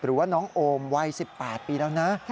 หรือว่าน้องโอมวัย๑๘ปีแล้วนะ